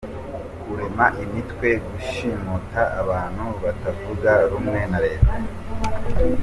– Kurema imitwe yo gushimuta abantu batavuga rumwe na leta;